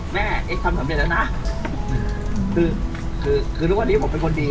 เอ๊กทำสำเร็จแล้วนะคือคือทุกวันนี้ผมเป็นคนดี